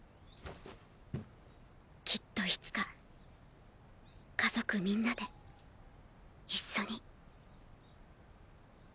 きっといつか家族みんなで一緒に。